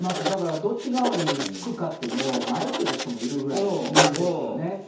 だから、どっち側につくかって迷ってる人もいるくらいなんですよね。